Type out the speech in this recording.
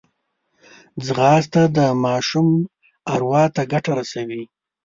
ځغاسته د ماشوم اروا ته ګټه رسوي